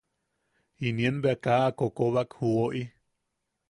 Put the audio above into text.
Inien bea kaa a koobak ju woʼi.